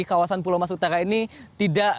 kawasan pulau mas utara ini tidak